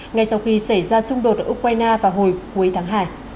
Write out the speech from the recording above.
ngay sau khi xảy ra xung đột ở ukraine vào hồi cuối tháng hai